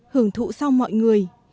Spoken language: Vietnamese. hưởng thụ sau mọi người